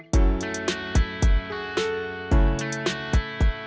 karena kamu minta pekerjaan dari peach